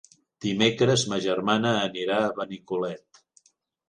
Dimecres ma germana anirà a Benicolet.